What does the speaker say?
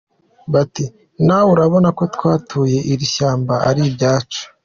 Bati:nawe urabona ko twatuye iri shyamba ari iryacu.